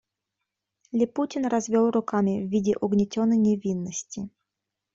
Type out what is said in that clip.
Липутин развел руками в виде угнетенной невинности.